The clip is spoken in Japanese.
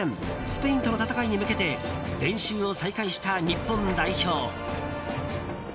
スペインとの戦いに向けて練習を再開した日本代表。